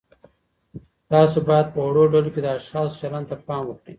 تاسو باید په وړو ډلو کې د اشخاصو چلند ته پام وکړئ.